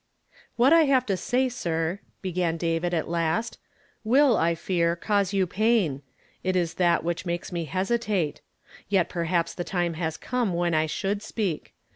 " What I have to say, sir," Legan David at last, " will, I fear, cause you pain ; it is that which makes me hesitate. Yet perhaps the time has come when f should speak.